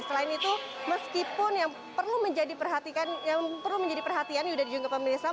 selain itu meskipun yang perlu menjadi perhatian yang perlu menjadi perhatian juga di jengkel pemerintah